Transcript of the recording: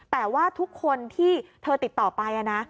แต่ว่าทุกคนที่เธอติดต่อไปนะ